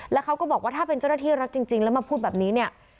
แล้วเขาก็บอกว่าถ้าเป็นเจ้าหน้าที่รัฐจริงแล้วมาพูดแบบนี้เนี่ย